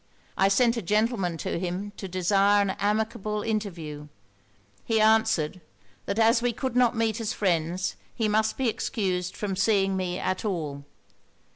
I sent a gentleman to him to desire an amicable interview. He answered, that as we could not meet as friends, he must be excused from seeing me at all.